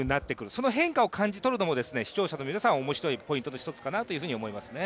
その変化を感じ取るのも視聴者の皆さんの面白いポイントの一つかなと思いますね。